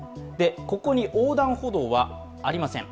ここに横断歩道はありません。